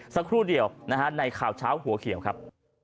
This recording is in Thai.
สักครู่เดียวในข่าวเช้าหัวเขียวครับ